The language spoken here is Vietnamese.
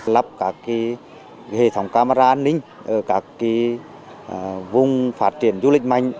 lắp các hệ thống camera an ninh ở các vùng phát triển du lịch mạnh